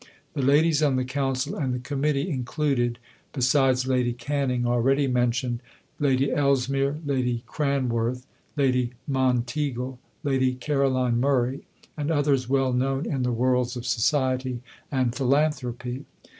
The ladies on the Council and the Committee included (besides Lady Canning already mentioned) Lady Ellesmere, Lady Cranworth, Lady Monteagle, Lady Caroline Murray, and others well known in the worlds of society and philanthropy.